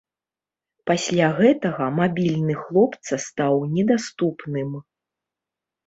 Пасля гэтага мабільны хлопца стаў недаступным.